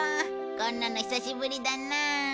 こんなの久しぶりだなあ。